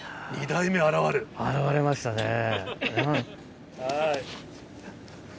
現れましたね。